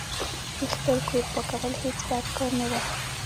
د خپل کور پاکول هیڅ بد کار نه ده.